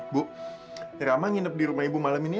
bu ramah nginep di rumah ibu malam ini ya